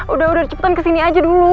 udah udah cepetan kesini aja dulu